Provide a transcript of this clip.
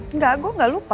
enggak gue gak lupa